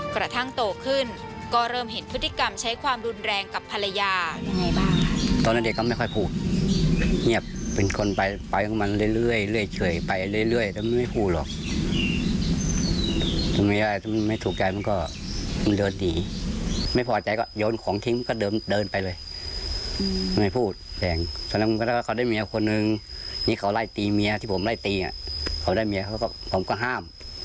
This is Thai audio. กระทั่งโตขึ้นก็เริ่มเห็นพฤติกรรมใช้ความรุนแรงกับภรรยายังไงบ้าง